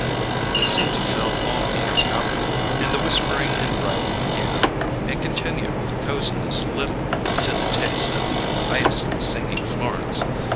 This seemed to fill all needs happily, and the whispering and writing began, and continued with a coziness little to the taste of the piously singing Florence.